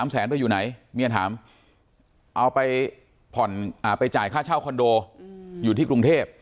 แสนไปอยู่ไหนเมียถามเอาไปจ่ายค่าเช่าคอนโดอยู่ที่กรุงเทพ